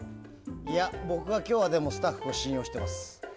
いや、僕は今日はスタッフを信用しています。